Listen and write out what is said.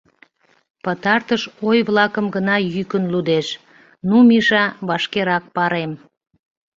Пытартыш ой-влакым гына йӱкын лудеш: «Ну, Миша, вашкерак парем.